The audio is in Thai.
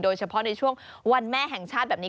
โดยเฉพาะในช่วงวันแม่แห่งชาติแบบนี้